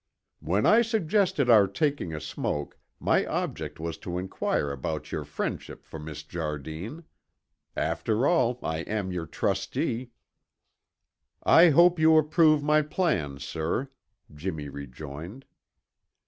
"When I suggested our taking a smoke, my object was to inquire about your friendship for Miss Jardine. After all, I am your trustee." "I hope you approve my plan, sir," Jimmy rejoined.